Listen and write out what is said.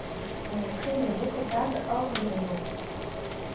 On traînait d'autres tables hors des maisons.